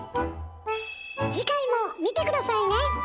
次回も見て下さいね！